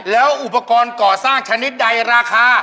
แล้วอุปกรณ์ก่อสร้างชนิดใดราคา